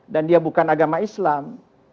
dan dia bukan agama islam